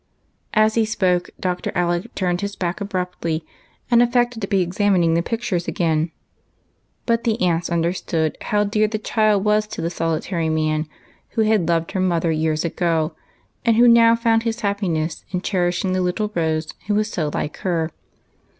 As he spoke. Dr. Alec turned his back abruptly and affected to be examining the pictures again ; but the aunts understood how dear the child was to the soli tary man who had loved her mother years ago, and who now found his happiness in cherishing the little Rose who was so like her.